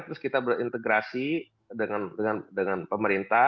terus kita berintegrasi dengan pemerintah